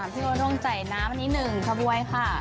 พี่งร่วงใจน้ำนิดนึงควบรวยค่ะ